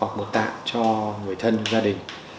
hoặc một tạng cho người thân gia đình